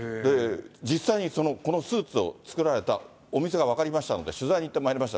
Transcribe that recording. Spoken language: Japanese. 実際にこのスーツを作られたお店が分かりましたので、取材に行ってまいりました。